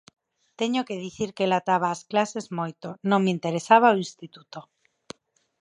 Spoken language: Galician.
Teño que dicir que lataba ás clase moito, non me interesaba o instituto.